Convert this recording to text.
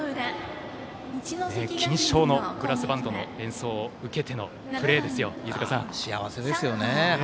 金賞のブラスバンドの演奏を受けての幸せですよね。